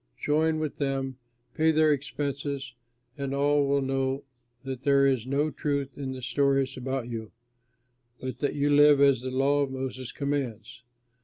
Join with them, pay their expenses, and all will know that there is no truth in the stories told about you, but that you live as the law of Moses commands."